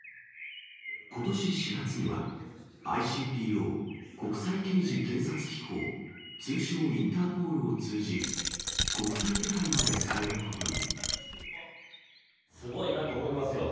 ことし４月には、ＩＣＰＯ・国際刑事警察機構、通称、インターポールを通じ、国際手配までされるすごいなと思いますよ。